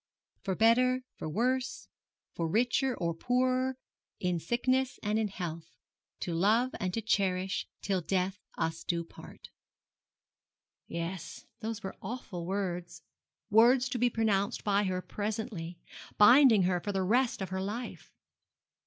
'For better for worse, for richer or poorer, in sickness and in health, to love and to cherish, till death us do part.' Yes, those were awful words words to be pronounced by her presently, binding her for the rest of her life.